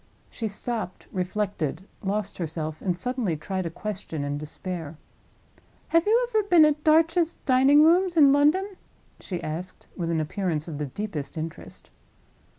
She stopped, reflected, lost herself, and suddenly tried a question in despair. "Have you ever been at Darch's Dining rooms in London?" she asked, with an appearance of the deepest interest.